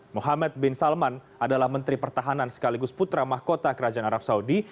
muhammad bin salman adalah menteri pertahanan sekaligus putra mahkota kerajaan arab saudi